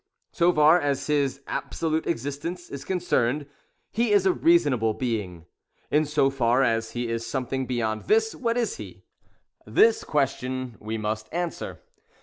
So far as his absolute existence is concerned, he is a reasonable being; — in so far as he is something beyond this, — What is lie? This question we must answer.